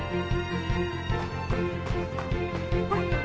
あれ？